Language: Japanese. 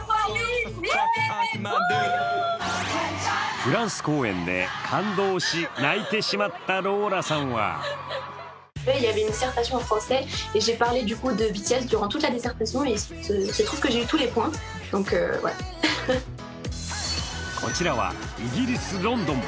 フランス公演で感動し泣いてしまったローラさんはこちらはイギリス・ロンドン。